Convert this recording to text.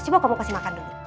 coba kamu kasih makan dulu